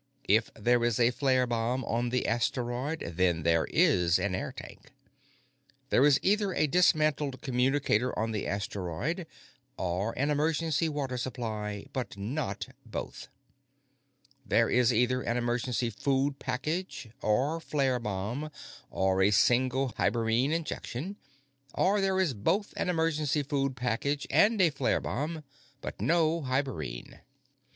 If there is a flare bomb on the asteroid, then there is an air tank. There is either a dismantled communicator on the asteroid or an emergency water supply, but not both. There is either an emergency food package, or flare bomb, or a single hibernine injection; or there is both an emergency food package and a flare bomb, but no hibernine.